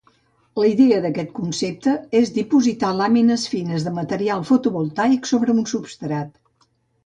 La idea d'aquest concepte és dipositar làmines fines de material fotovoltaic sobre un substrat.